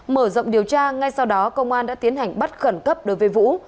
mở rộng điều tra ngay sau đó công an đã tiến hành bắt khẩn cấp đối với vũ